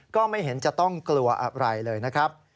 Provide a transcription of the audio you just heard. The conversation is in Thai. ก็ไม่เห็นจะต้องกลัวอะไรเลยนะครับ